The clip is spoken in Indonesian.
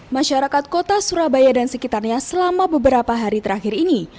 masyarakat kota surabaya dan sekitarnya selama beberapa hari terakhir ini